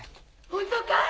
本当かい⁉